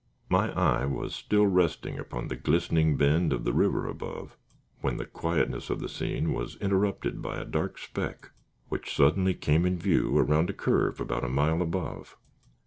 My eye was still resting upon the glistening bend of the river above, when the quietness of the scene was interrupted by a dark speck which suddenly came in view, around a curve about a mile above.